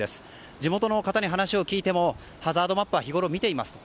地元の方に話を聞いてもハザードマップは日ごろ見ていますと。